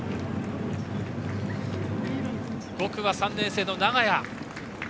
５区は３年生の長屋。